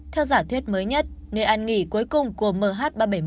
theo giả thuyết mới nhất nơi ăn nghỉ cuối cùng của mh ba trăm bảy mươi một